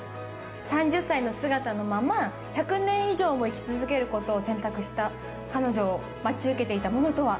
３０歳の姿のまま１００年以上も生き続けることを選択した彼女を待ち受けていたものとは。